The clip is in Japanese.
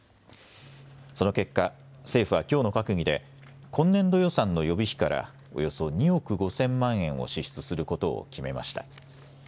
その結果、政府はきょうの閣議で、今年度予算の予備費から、およそ２億５０００万円を支出することを決めました。